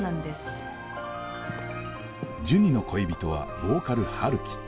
ジュニの恋人はボーカル陽樹。